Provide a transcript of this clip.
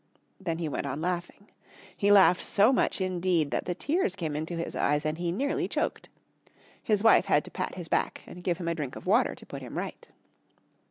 Then he went on laughing. He laughed so much indeed that the tears came into his eyes and he nearly choked. His wife had to pat his back and give him a drink of water to put him right.